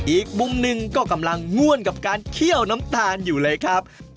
อีกมุมหนึ่งก็กำลังง่วนกับการเคี่ยวน้ำตาลอยู่เลยครับ